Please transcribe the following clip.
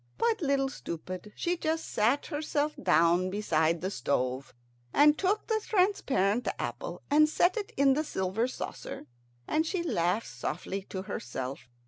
But Little Stupid, she just sat herself down beside the stove, and took the transparent apple and set it in the silver saucer, and she laughed softly to herself.